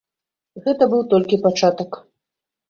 Гэта быў толькі пачатак.